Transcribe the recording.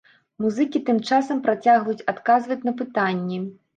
Музыкі тым часам працягваюць адказваць на пытанні.